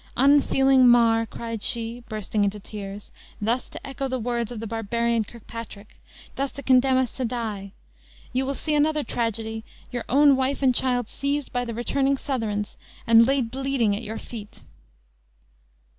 "Unfeeling Mar," cried she, bursting into tears, "thus to echo the words of the barbarian Kirkpatrick; thus to condemn us to die! You will see another tragedy: your own wife and child seized by the returning Southrons, and laid bleeding at your feet!"